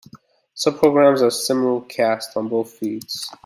Some programs are simulcast on both feeds.